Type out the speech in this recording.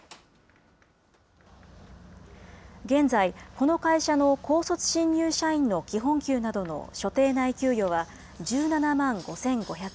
現在、この会社の高卒新入社員の基本給などの所定内給与は１７万５５００円。